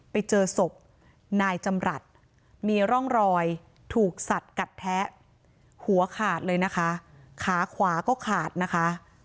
ไปเจอศพนายจำรัฐมีร่องรอยถูกสัดกัดแทะหัวขาดเลยนะคะขาขวาก็ขาดนะคะ